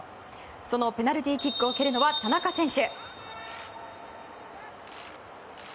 そのペナルティーキックを蹴るのは田中選手。